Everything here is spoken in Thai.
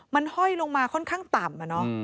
มันห้อยลงมาค่อนข้างต่ำ